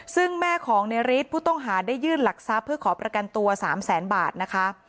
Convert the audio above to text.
ซึ่งแม่ของในฤทธิ์ผู้ต้องหาได้ยื่นหลักทรัพย์เพื่อขอประกันตัว๓แสนบาทนะคะ